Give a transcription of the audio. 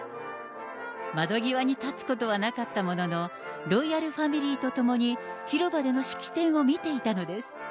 窓際に立つことはなかったものの、ロイヤルファミリーと共に、広場での式典を見ていたのです。